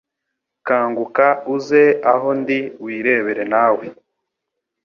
Kanguka uze aho ndi wirebere nawe